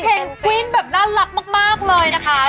กวิ้นแบบน่ารักมากเลยนะคะ